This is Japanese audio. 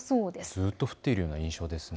ずっと降っている印象ですね。